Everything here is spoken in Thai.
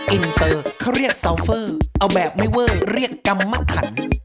อินเตอร์เขาเรียกเซาเฟอร์เอาแบบไม่เวอร์เรียกกรรมถัน